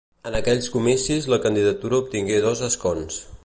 En aquells comicis, la candidatura obtingué dos escons.